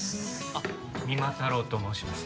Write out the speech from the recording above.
あっ三馬太郎と申します。